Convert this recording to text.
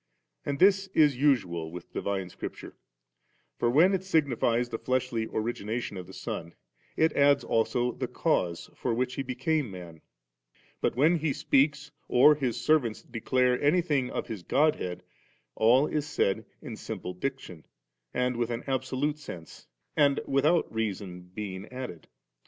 And this is usual with divine Scripture*; for when it signifies the fleshly origination of the Son, it adds also the cause ^ for which He became man ; but when he speaks or His servants declare anything of His God head, all is said in simple diction, and with an absolute sense, and without reason being added.